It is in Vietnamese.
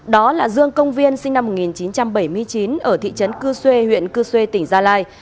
đó là dương công viên sinh năm một nghìn chín trăm bảy mươi chín ở thị trấn cư xuê huyện cư xuê tỉnh gia lai